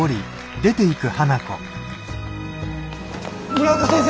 村岡先生！